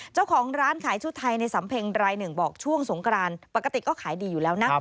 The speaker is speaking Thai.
เจ้าของร้านขายชุดไทยในสำเพ็งรายหนึ่งบอกช่วงสงกรานปกติก็ขายดีอยู่แล้วนะ